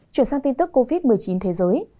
chuyển sang tin tức covid một mươi chín thế giới